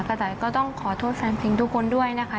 จ่ายก็ต้องขอโทษแฟนเพลงทุกคนด้วยนะคะ